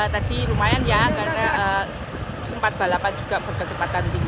tadi lumayan ya karena sempat balapan juga berkecepatan tinggi